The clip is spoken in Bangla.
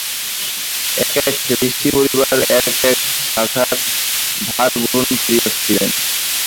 এক এক ঋষি-পরিবার এক এক শাখার ভার গ্রহণ করিয়াছিলেন।